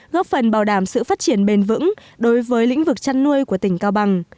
góp phần bảo đảm sự phát triển bền vững đối với lĩnh vực chăn nuôi của tỉnh cao bằng